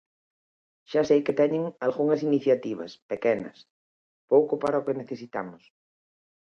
Xa sei que teñen algunhas iniciativas, pequenas; pouco para o que necesitamos.